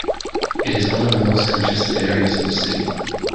It is one of the most congested areas in the city.